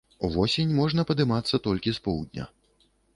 Увосень можна падымацца толькі з поўдня.